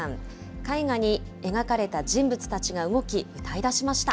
絵画に描かれた人物たちが動き、歌いだしました。